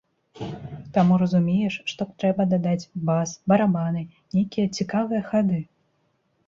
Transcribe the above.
Таму разумееш, што трэба дадаць бас, барабаны, нейкія цікавыя хады.